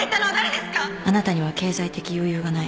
あなたには経済的余裕がない。